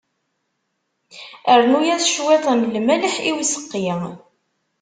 Rnu-yas cwiṭ n lmelḥ i useqqi.